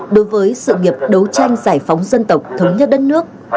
đối với sự nghiệp đấu tranh giải phóng dân tộc thống nhất đất nước